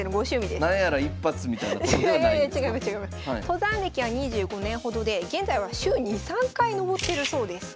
登山歴は２５年ほどで現在は週２３回登ってるそうです。